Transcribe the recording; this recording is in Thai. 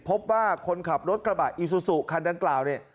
พบว่าคนขับรถกระบะอีซูซูคันดังกล่าวเนี่ย